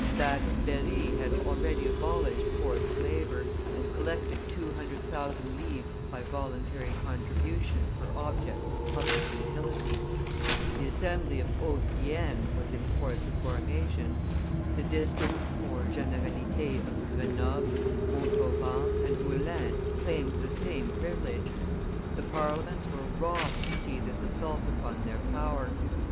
That of Berry had already abolished forced labor, and collected two hundred thousand livres by voluntary contribution for objects of public utility. The assembly of Haute Guyenne was in course of formation. The districts (generalites) of Grenoble, Montauban, and Moulins claimed the same privilege. The parliaments were wroth to see this assault upon their power.